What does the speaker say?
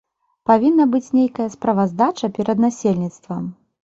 Павінна быць нейкая справаздача перад насельніцтвам.